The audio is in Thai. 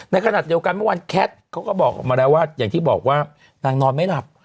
ในขณะเดียวกันเมื่อวานแคทเขาก็บอกออกมาแล้วว่าอย่างที่บอกว่านางนอนไม่หลับ